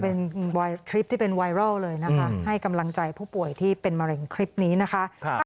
เป็นคลิปที่เป็นไวรัลเลยนะคะให้กำลังใจผู้ป่วยที่เป็นมะเร็งคลิปนี้นะคะ